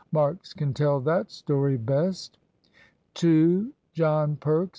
Marks can tell that story best " "Two, John Perks!"